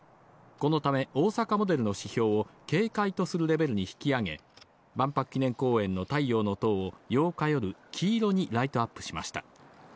このため、大阪モデルの指標を警戒とするレベルに引き上げ万博記念公園の太陽の塔を８日夜黄色にライトアップしました。